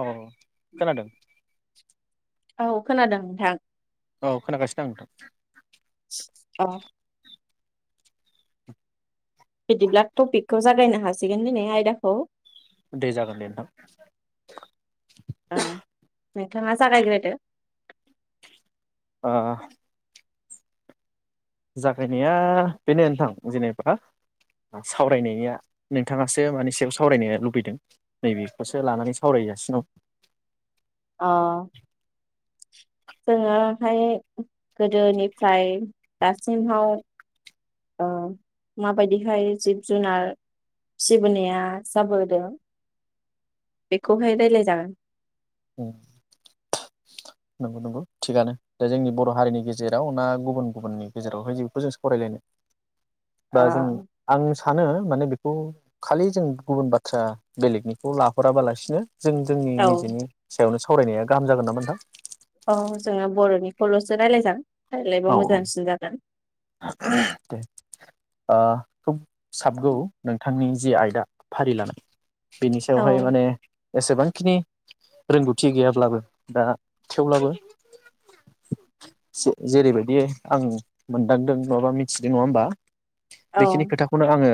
औ खोनादों औ औ खोनादों नोंथां। औ खोनागासिनो आं नोंथां। औ बिदिब्ला टपिकखौ जागायना हासिगोन दिनै आयदाखौ । दे जागोन दे नोंथां। औ नोंथाङा जागायग्रोदो। ओ जागायनाया बेनो नोंथां जेनेबा सावरायनाया नोंथाङासो माने सयाव सावरायनो लुबैदों नैबेखौसो लानानै सावरायगासिनो दं। ओ जोङोहाय गोदोनिफ्राय दासिमहाव ओ माबायदिहाय जिब जुनार फिसिबोनाया जाबोदों बेखौहाय रायलाय जागोन। औ नंगौ नंगौ थिगआानो दा जोंनि बर' हारिनि गेजेराव ना गुबुन गुबुननि गेजेरावहाय जे बेखौ जों सावरायलायनो। ओ बा जों आं सानो माने बेखौ खालि जों गुबुन बाथ्रा बेलेगनिखौ लाहराबालासिनो जों जोंनि औ निजिनि सायावनो सावरायनाय गाहामागोन नाम नोंथां? औ जोङो बर'निखौल'सो रायलायजा हाइ लायलायबा औ औ मोजांसिन जागोन। ओ [unintelligible] साबगौ नोंथांनि जि आयदा फारिलानाय बेनि औ सायावहाय माने एसेबांखिनि रोंगौथि गैयाब्लाबो दा थेवब्लाबो जे जेरैबायदियै आं मोनदांदों नङाबा मिथिदों नङा होनोमबा। औ बेखिनि खोथाखौनो आङो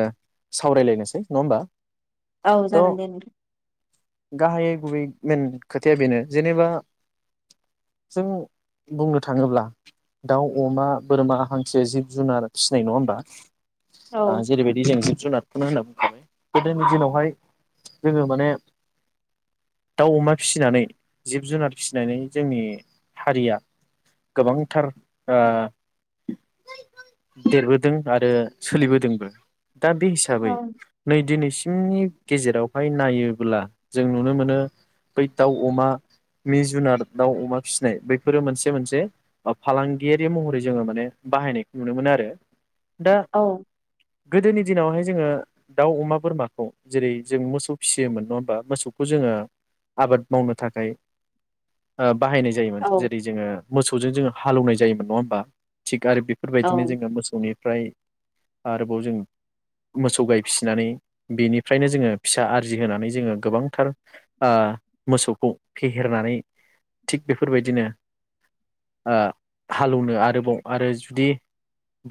सावरायलायनोसै नङा होमबा? औ थ' जागोन दे नोंथां। गाहायै गुबै मेन खोथाया बेनो जेनेबा जों बुंनो थाङोब्ला दाउ, अमा, बोरमा [unintelligible] जिब जुनार फिसिनाय नङा होमबा? आ औ जेरबायदि जों जिब-जुनारखौनो होनदों गोदोनि दिनावहाय जोङो माने दाउ-अमा फिसिनानै जिब-जुनार फिसिनानै जोंनि हारिया गोबांथार आ देरबोदों आरो सोलिबोदोंबो। दा बे हिसाबै औ नै दिनैसिम जोंनि गेजेरावहाय नायोब्ला जों नुनो मोनो बै दाउ-अमा, मि-जुनार, दाउ-अमा फिसिनाय बैफोरो मोनसे मोनसे फालांगियारि महरै जोङो माने बाहायनायखौ नुनो मोनो आरो । दा औ गोदोनि दिनावहाय जोङो दाउ, अमा, बोरमाखौ जेरै जों मोसौ फिसियोमोन नङा होमबा? मोसौखौ जोङो आबाद मावनो थाखाय ओ बाहायनाय जायोमोन औ जेरै जोङो मोसौजों जोङो हालेवनाय जायोमोन नङा होनबा? आरो औ बेफोरबायदिनो जोङो मोसौनि फ्राय आरोबाव जों मोसौ गाय फिसिनानै बेनिफ्रायनो जोङो फिसा आरजिहोनानै जोङो गोबांथार आ मोसौखौ फेहेरनानै थिग बेफोरबायदिनो आ हालेवनो आरो आरो जुदि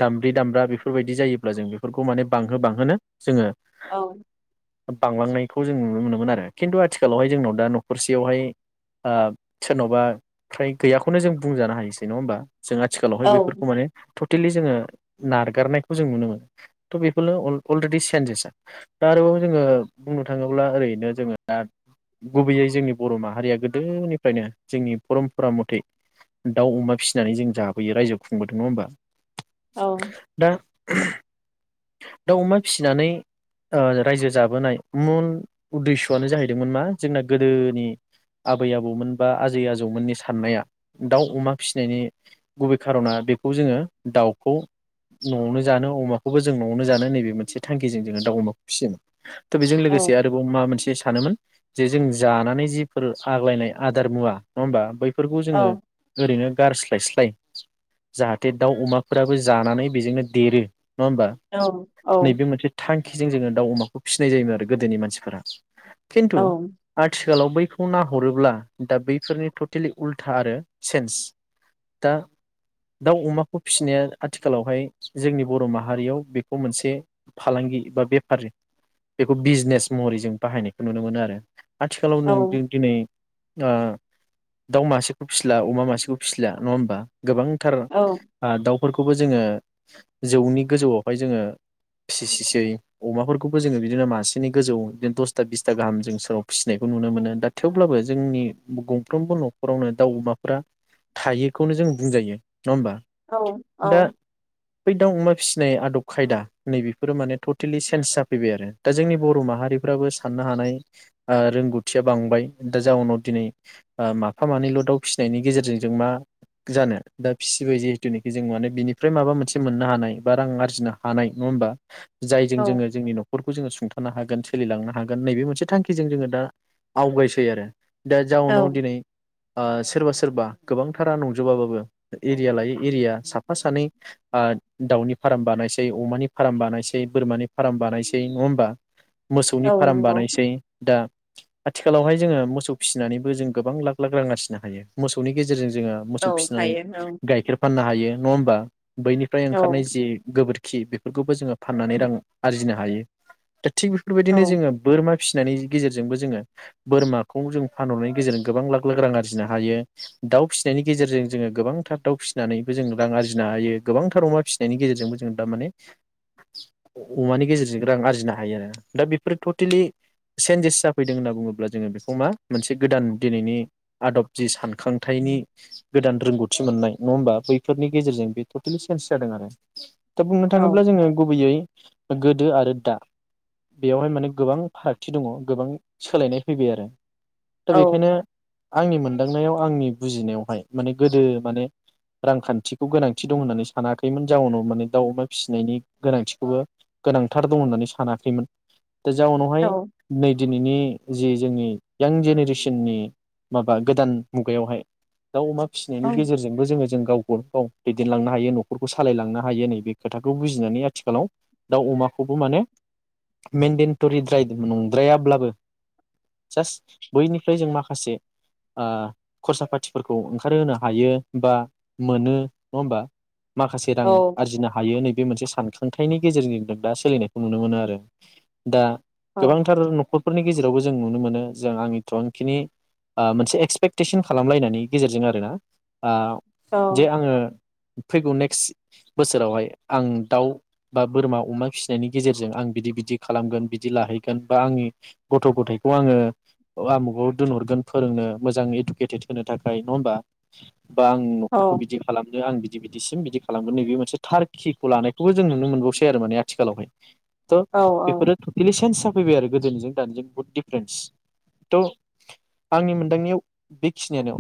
दामब्रि-दामब्रा बेफोरबायदि जायोब्ला जों बेफोरखौ माने बांहो-बांहोनो औ । बांलांनायखौ जों नुनो मोनोमोन आरो खिन्थु आथिखालावहाय जोंनाव दा न'खरसेयावहाय आ सोरनावबा फ्राय गैयाखौनो जों बुंजानो हायोसै नङा होमबा? जों आ थिखालावहाय औ बेफोरखौ माने टटेलि जोङो नारगारनायखौ जों नुनो मोनो थ' बेफोरनो अ-अलरेडि चन्जेसआ दा आरोबाव जोङो बुंनो थाङोब्ला ओरैनो जोङो दा गुबैयै जोंनि बर' माहारिया गोदोनिफ्रायनो जोंनि पर'मपरा मथै दाउ-अमा फिसिनानै जों जा बोयो रायजो खुंबोदों नङा होनबा? औ । [inaudible] दाउ-अमा फिसिनानै ओ रायजो जाबोनाय मुन उदेस्व'आनो जाहैदोंमोन मा जोंना गोदोनि आबै-आबौमोन बा आजै-आजौमोननि साननाया दाउ-अमा फिसिनायनि गुबै खार'ना बेखौ जोङो दाउखौ न'आवनो जानो अमाखौबो जों न'आवनो जानो नैबे मोनसे थांखिजों जोङो दाउ-अमाखौ फिसियोमोन । थ' बेजों लोगोसे आरोबाव मा मोनसे सानोमोन जे जों जानानै जिफोर आग्लायनाय आदार मुवा नङा होमबा बैफोरखौ जोङो ओरैनो गारस्लायस्लाय जाहाथे दाउ-अमाफोराबो जानानै बेजोंनो देरो नङा होमबा? औ औ । खिजों जोङो दाउ-अमाखौ फिनाय जायोमोन आरो गोदोनि मानसिफ्रा । खिन्थु आथि खालाव बैखौ नायहरोब्ला दा बैफोरनि टटेलि उल्था आरो चेन्स दा दाउ-अमाखौ फिसिनाया आथिखालावहाय जोंनि बर' माहारियाव बेखौ मोनसे फालांगि बा बेफारि बेखौ बिजिनेस महरै जों बाहायनायखौ नुनो मोनो आरो । आथिखालाव नों जों दिनै ओ दाउ मासेखौ फिसिला अमा मासेखौ फिसिलि नङा होमबा? गोबांथार आ दाउ फोरखौबो जोङो जौनि गोजौआव हाय जोङो फिसिसै अमाफोरखौबो जोङो बिदिनो मासेनि गोजौ बिदिनो दसथा बिसथा गाहाम जों सोराव फिसिनायखौ नुनो मोनो दा थेवब्लाबो जोंनि गंफ्रोमबो न'खरावनो दाउ अमाफोरा थायोखौनो जों बुंजायो । औ औ । बै दाव अमा फिसिनाय आदब खायदा नैबेफोरो माने टटेलि चेन्ज जाफैबाय आरो दा जोंनि बर' माहारिफ्राबो साननो हानाय आ रोंगौथिया बांबाय दा जाउनाव दिनै आ माफा मानैल' दाउ फिसिनायनि गेजेरजों जों मा जानो दा फिसिबाय जिहेथुनिखि जों माने बिनिफ्राय माबा मोनसे मोननो हानाय बा रां आरजिनो हानाय नङा होमबा? जायजों जोङो जोंनि न' न'खरखौ जोङो सुंथानो हागोन सोलिलांनो हागोन नैबे मोनसे थांखिजों जोङो दा आवगायसै आरो दा जाउनाव दिनै सोरबा सोरबा गोबांथारा नंजोबाबाबो एरिया लायै एरिया साफा सानै दाउनि फार्म बानायसै बसै अमानि फार्म बानायनोसै बोरमानि फार्म बानायसै नङा हबा मोसौनि औ फार्म नंगौ बानायसै दा आथिखालावहाय जोङो मोसौ फिसिनानैबो जों गोबां लाख लाख रां आरजिनो हायो मोसौनि गेजेरजों ज जोङो औ मोसौ फिसिनानै हायो औ गाइखेर फाननो हायो हायो नङा होमबा बैनिफ्राय औ ओंखारनाय जि गोबोरखि खि बेफोरखौबो जोङो फाननानै रां आरजिनो हायो थिग बेफोरबायदिनो औ जोङो बोरमा फिसिनायनि गेजेरजोंबो जोङो बोरमाखौ जों फानहरनायनि गेजेरजों गोबां लाख लाख रां आरजिनो हायो दाउ फिसिनायनि गेजेरजों जोङो गोबांथार दाउ फिसिनानैबो जों रां आरजिनो हायो गोबांथार अमा फिसिनायनि गेजेरजोंबो जों माने अमानि गेजेरजों रां आरजिनो हायो आरो दा बेफोरो टटेलि चन्जेस जाफैदों होनना बुङोब्ला जोङो बेखौ मा मोनसे गोदान दिनैनि आदब जि सानखांथनि गोदान रोंगौथि मोननाय नङा होमबा बैफोरनि गेजेरजों बे टटेलि चेन्ज जादों आरो दा बुंनो थाङोब्ला औ जोङो गुबैयै गोदो आरो दा बेयावहाय माने गोबां फारागथि दङ गोबां सोलायनाय फैबाय आरो दा औ बेखायनो नो आंनि मोनदांनायाव आंनि बुजिनायावहाय माने गोदो माने रांखान्थिखौ गोनांथि दं होननानै सानाखैमोन जाउनाव माने दाउ अमा फिसिनायनि गोनांथिखौबो गोनांथार दं होननानै सानाखैमोन दा औ जाउनावहाय नै दिनैनि जि जोंनि यां जेनेरेसननि माबा गोदान मुगायावहाय दाउ अमा फिसिनायनि औ गेजेरजोंबो जोङो जों गावखौ औ दैदेनलांनो हायो न'खरखौ सालायलांनो हायो नै बे खोथाखौ बुजिनानै आथिखालाव दाउ अमाखौबो माने मेेनडेट'रि द्राय नंद्रायाब्लाबो जास्ट बैनिफ्राय जों माखासे खरसा फाथिफोरखौ ओंखारहो हायो बा मोनो नङा हबा माखासे रां आरजिनो हागोन नैबे मोनसे सानखांथाइनि गेजेरजों दा सोलिनायखौ नुनो मोनो आरो दा गोबांथार न'खरफोरनि गेजेरावबो जों नुनो मोनो जों आंनि थनखिनि मोनसे एक्सपेक्टेसन खालामलायनायनि गेजेरजों आरोना आ जे आङो फैगौ नेक् एक् बोसोरावहाय आं दाउ बा बोरमा अमा फिसिनायनि गेजेरजों आं बिदि बिदि खालामगोन बिदि लाहैगोन बा आंनि गथ' गथायखौ आङो आमुगाव दोनहरगोन फोरोंनो मोजां इडुकेटेद होनो थाखाय नङा होमबा बा आं न'खरखौ बिदि खालामनो आं बि बिदिसिम बिदि खालामगोन नैबे मोन थार खिखौ लानायखौबो जों नुनो मोनबावसै आरो माने आथिखालावहाय बेफोर औ बेफोरोथ ईलिसेनसेम फैबाय आरो गोदोनिजों दानिजों बहुद दिडफारेन्स थ' आंनि मोनदांनाययाव बेखिनियानो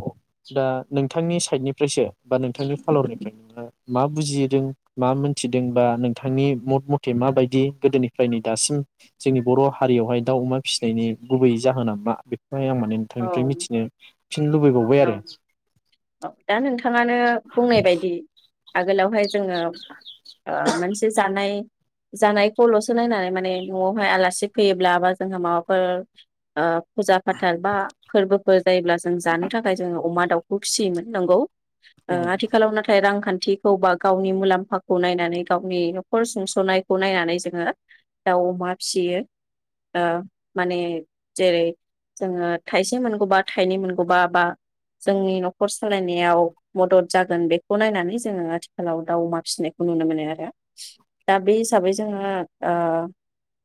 दा नोंथांनि साइडनिफ्रायसो बा नोंथांनि फालरनिफ्राय सो मा बुजिदों मा मोनथिदोंबा नोंथांनि मत मथे माबायदि गोदोनिफ्रायनो दासिम जोंनि बर' हारियावहाय दाउ अमा फिसिनायनि गुबै जाहोना मा बे ओमफाय आं माने नोंथांनिफ्राय मिथिनो फिन लुबैबावबाय औ आरो। औ दा नोंथाङानो बुंनाय बायदि आगोलावहाय जोङो ओ मोनसे जानाय जानायखौल'सो नायनानै माने न'आवहाय आलासि फैयोब्ला जोंहा माबाफोर ओ फुजा फाथाल बा फोरबोफोर जायोब्ला जों जानो थाखाय जोङो अमा दाउ बो फिसियोमोन नोंगौ। ओ औ आथिखालाव नाथाय रां खान्थिखौ बा गावनि मुलामफाखौ नायनानै गावनि न'खर सुंस'नायखौ नायनानै जोङो दाउ अमा फिसियो ओ माने जेरै जोङो थाइसे मोनगौबा बा थाइनै मोनगौबा बा जोंनि न'खर सालायनायाव मदद जागोन बेखौ नायनानै जोङो आथिखालाव दाउ अमा फिसिनायखौ नुनो मोनो आरो। दा बे हिसाबै जोङो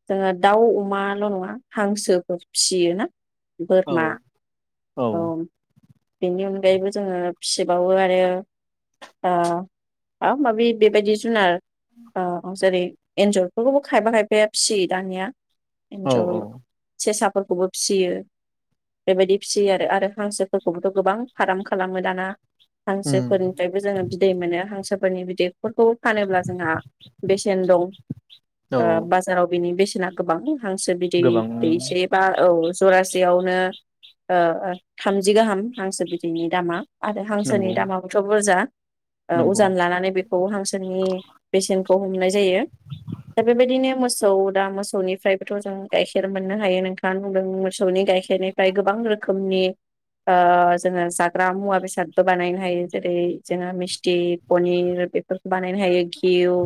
जोङो ओ दाउ अमाल' नङा हांसोफोर फिसियोना बोरमा औ। बेनि अनगायैबो जोङो फिसिबावो आरो ओ माबा माबि बेबायदि जुनार अ जेरै एन्जरफोरखौबो खायफा खायफाया फिसियो दानिया। औ एनजर, सेसा फोर खौबो फिसियो। बेबायदि फिसियो आरो हांसो फोर खौ बोथ' गोबां फार्म खालामो दाना। हांसोफोरनिफ्रायबो जोङो बिदै मोनो हांसो फोरनि बिदै फोरखौ फानोब्ला जोंहा बेसेन दं ओ औ बाजाराव बेनि बेसे ना गोबां। हांसो बिदै गोबां दैसे बा औ जरासेयावनो ओ ओ थाम जि गाहाम हांसो बिदैनि दामा। आरो हांसोनि नंगौ दामाबोथ' बुरजा। ओ नंगौ उजान लानानै बेखौ हांसोनि बेसेनखौ हमनाय जायो। दा बेबायदिनो मोस सौ दा मोसौनिफ्रायबोथ' जों गाइखेर मोननो हायो नोंथाङानो बुंदों मोस मोसौनि गाइखेरनिफ्राय गोबां रोखोमनि ओ जोङो जाग्रा मुवा बेसादबो बानायनो हायो जेरै जोङो मिस्थि, पनिर बेफोर। बानायनो हायो घिउ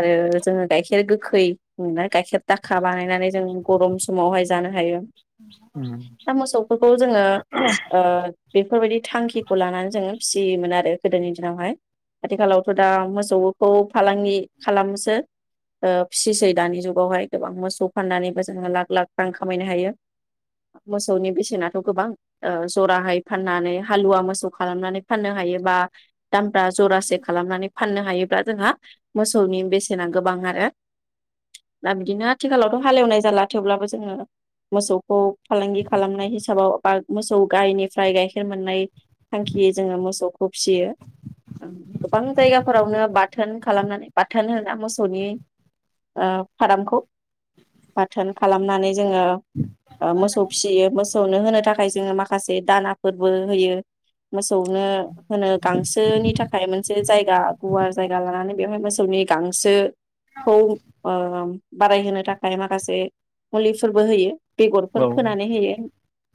आरो जोङो गाइखेर गोखै [unintelligible] गाइखेर दाखा बानायनानै जों गरम समावहाय जानो हायो। दा मोसौफोरखौ जोङो ओ बेफोरबायदि थांखिखौ लानानै जोङो फिसियोमोन आरो । गोदोनि दिनावहाय आथिखालावथ दा मोसौखौ फालांगि खालामसो ओ फिसिसै दानि जुगावहाय गोबां मोसौ फाननानैबो जोङो लाख लाख रां खामायनो हायो मोसौनि बेसेनाथ गोबां जराहै फाननानै हालुवा मोसौ खालामनानै फाननो हायो बा दामब्रा जरासे खालामनानै फाननो हायोब्ला जोंहा मोसौनि बेसेना गोबां आरो दा बिदिनो आथिखालावथ हालेवनाय जाला थेवब्लाबो जोङो मोसौखौ फालांगि खालामनाय हिसाबाव बा मोसौ गायनिफ्राय गाइखेर मोननाय थांखि जोङो मोसौ खौ फिसियो गोबां जायगाफोरावनो बाथोन खालामनानै बाथोन होना मोसौनि फारामखौ बाथोन खालामनानै जोङो ओ मोसौ फिसियो मोसौनो होनो थाखाय थाखाय जोङो माखासे दानाफोरबो होयो मोसौनो होनो गांसोनि थाखाय मोनसे जायगा गुवार जायगा लानानै बेवहाय मोसौनि गांसोखौ ओ बारायहोनो थाखाय माखासे मुलिफोरबो होयो । बेगरफोर औ फोनानै होयो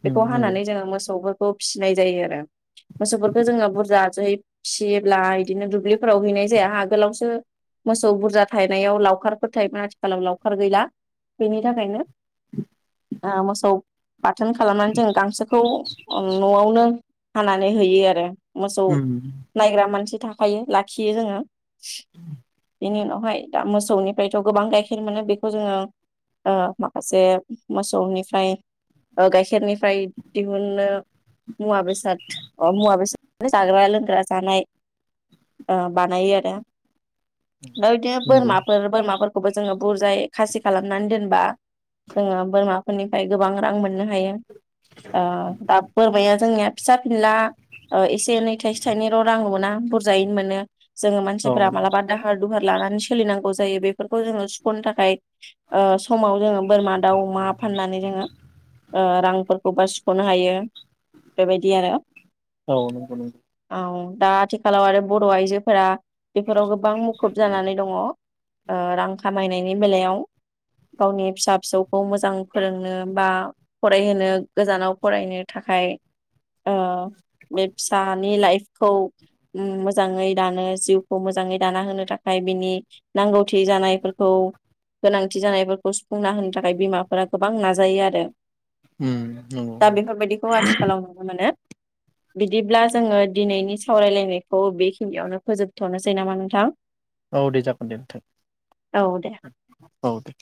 बेखौ नंगौ हानानै जोङो मोस सौफोरखौ फिसिनाय जायो आरो मोसौफोरखौ जोङो बुरजा जोहै फिसियोब्ला बिदिनो दुब्लिफोराव हैनाय जाया आगोलावसो मोसौ बुरजा थायनायाव लावखारफोर थायोमोन आथिखालाव लावखार गैला बेनि थाखायनो ओ मोसौ बाथोन खालामनानै जों गांसोखौ नआवनो हानानै होयो आरो। मोसौ नंगौ नायग्रा मानसि थाखायो लाखियो जोङो बेनि उनावहाय दा मोसौनिफ्रायथ गोबां गाइखेर मोनो बेखौ जोङो ओ माखासे मोसौनिफ्राय ओ गाइखेरनि ओमफ्राय दिहुनो मुवा बेसाद अ मुवा बेसाद जाग्रा लोंग्रा जानाय ओ बानायो आरो। दा इदिनो बोरमाफोर बोरमाफोर खौबो जोङो बुरजाय खासि खालामनानै दोनबा जोङो बोरमाफोरनिफ्राय गोबां रां मोननो हायो । ओ दा बोरमाया जोंनिया फिसा फिनला ओ एसे नै थाइसे थाइनैल रां मोना बुरजायैनो मोनो। जोङो औ मानसिफोरा मालाबा दाहार दुहार लानानै सोलिनांगौ जायो बेफोरखौ जोङो सुखनो थाखाय ओ समाव जोङो बोरमा दाउ अमा फाननानै जोङो ओ रां खौबा सुखनो हायो बेबायदि आरो। औ नंगौ नंगौ । औ दा आथिखालाव आरो बर आइजोफोरा बेफोराव गोबां मुखुब जानानै दङ ओ रां खामायनायनि बेलायाव गावनि फिसा फिसौखौ मोजां फोरोंनो बा फरायहोनो गोजानाव फरायनो थाखाय ओ बे फिसानि लाइफखौ ओम मोजाङै दानो जिउखौ मोजाङै दाना होनो थाखाय बिनि नांगौथि जानायफोरखौ गोनांथि जानायफोरखौ सुफुंना होनो थाखाय बिमाफोरा गोबां नाजायो आरो । नंगौ दा बेफोरबायदिखौ आथिखालाव नुनो मोनो बिदिब्ला जोङो दिनैनि सावरायलायनायखौ बेखिनियावनो फोजोबथ नोसै नामा नोंथां? औ दे जागोन दे नोंथां । औ दे । औ दे ।